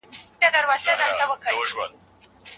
هغه ځوان به د خپل نفس د غوښتنو خلاف په میړانه مبارزه کوله.